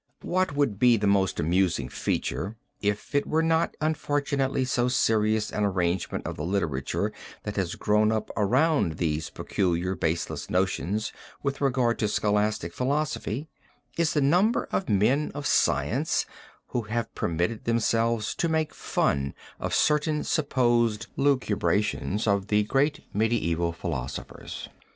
What would be the most amusing feature, if it were not unfortunately so serious an arraignment of the literature that has grown up around these peculiar baseless notions with regard to scholastic philosophy, is the number of men of science who have permitted themselves to make fun of certain supposed lucubrations of the great medieval philosophers.